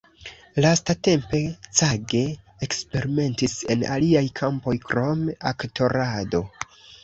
Lastatempe, Cage eksperimentis en aliaj kampoj krom aktorado.